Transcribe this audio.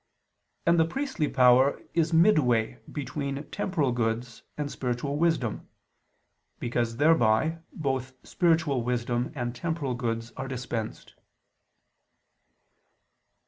And the priestly power is midway between temporal goods and spiritual wisdom; because thereby both spiritual wisdom and temporal goods are dispensed.